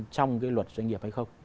trong cái luật doanh nghiệp hay không